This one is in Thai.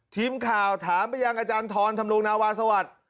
ทีมข่าวถามไปยังอาจารย์ทรธรรมรงนาวาสวัสดิ์